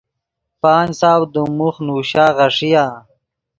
پانچ سو دیم موخ نوشا غیݰیا۔